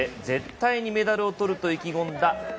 絶対にメダルを取ると意気込んだ